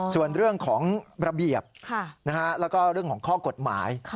ส่วนเรื่องของระเบียบแล้วก็เรื่องของข้อกฎหมาย